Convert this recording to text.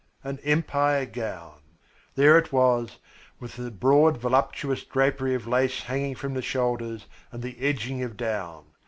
An Empire gown. There it was, with the broad voluptuous drapery of lace hanging from the shoulders and the edging of down.